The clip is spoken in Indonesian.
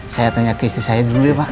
saya tanya ke istri saya dulu ya pak